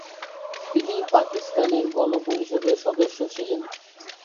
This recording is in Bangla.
তিনি পাকিস্তানের গণপরিষদের সদস্য ছিলেন।